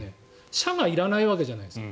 社がいらないわけじゃないですか。